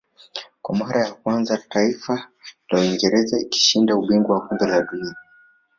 Kwa mara ya kwanza taifa la Uingereza likashinda ubingwa wa kombe la dunia